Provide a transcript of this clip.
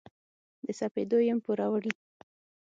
د سپېدو یم پوروړي